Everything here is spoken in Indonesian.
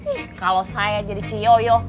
ih kalau saya jadi ci yoyo